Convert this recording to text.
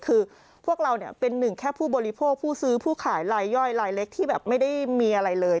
คือพวกเราเนี่ยเป็นหนึ่งแค่ผู้บริโภคผู้ซื้อผู้ขายลายย่อยลายเล็กที่แบบไม่ได้มีอะไรเลย